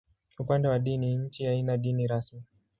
Upande wa dini, nchi haina dini rasmi.